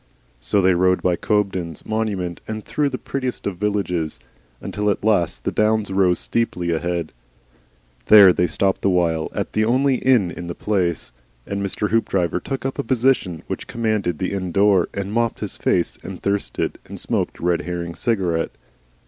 So they rode by Cobden's monument and through the prettiest of villages, until at last the downs rose steeply ahead. There they stopped awhile at the only inn in the place, and Mr. Hoopdriver took up a position which commanded the inn door, and mopped his face and thirsted and smoked a Red Herring cigarette.